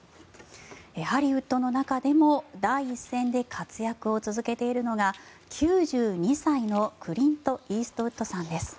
ハリウッドの中でも第一線で活躍を続けているのが９２歳のクリント・イーストウッドさんです。